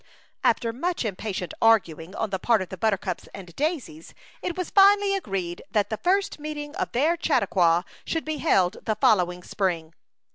After much impatient arguing on the part of the buttercups and dai sies, it was finally agreed that the 30 A Chaiitcntqua Idyl. first meeting of their Chautauqua should be held the following spring.